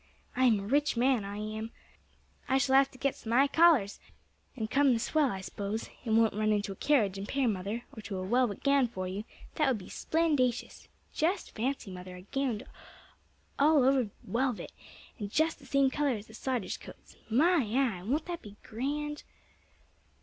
I am a rich man, I am; I shall have to get some 'igh collars and come the swell. I suppose it won't run to a carriage and pair, mother, or to a welvet gownd for you, that would be splendatious. Just fancy, mother, a gownd all over welvet, and just the same colour as the sodgers' coats. My eye! won't that be grand?"